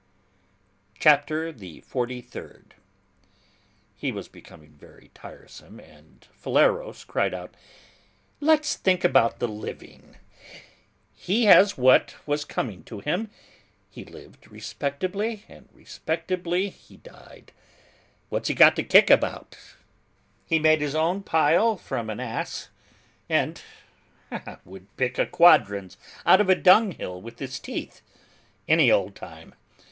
CHAPTER THE FORTY THIRD. He was becoming very tiresome, and Phileros cried out, "Let's think about the living! He has what was coming to him, he lived respectably, and respectably he died. What's he got to kick about'? He made his pile from an as, and would pick a quadrans out of a dunghill with his teeth, any old time.